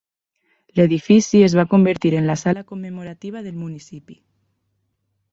L'edifici es va convertir en la Sala commemorativa del municipi.